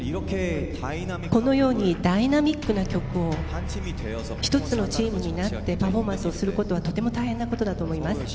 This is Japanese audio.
このようにダイナミックな曲を１つのチームになってパフォーマンスをすることは、とても大変なことだと思います。